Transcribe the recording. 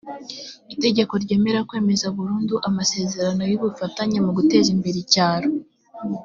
itegeko ryemera kwemeza burundu amasezerano y’ubufatanye mu guteza imbere icyaro